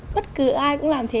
bất cứ ai cũng làm thế